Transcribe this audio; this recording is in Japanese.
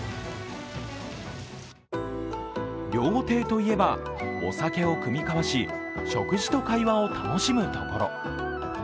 料亭といえば、お酒を酌み交わし、食事と会話を楽しむところ。